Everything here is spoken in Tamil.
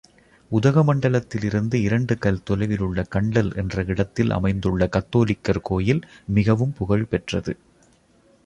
உதகமண்டலத்திலிருந்து இரண்டு கல் தொலைவில் உள்ள கண்டல் என்ற இடத்தில் அமைந்துள்ள கத்தோலிக்கர் கோயில் மிகவும் புகழ் பெற்றது.